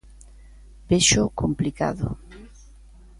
Véxoo complicado.